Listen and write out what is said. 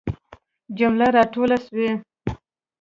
جمله را ټوله سوي.